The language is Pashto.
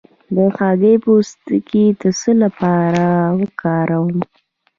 د هګۍ پوستکی د څه لپاره وکاروم؟